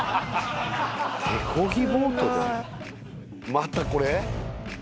またこれ？